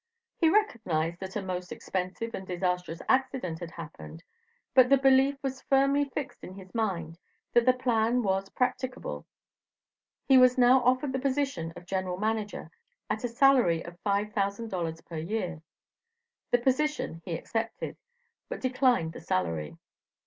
He recognized that a most expensive and disastrous accident had happened; but the belief was firmly fixed in his mind that the plan was practicable. He was now offered the position of General Manager, at a salary of $5,000 per year. The position he accepted, but declined the salary.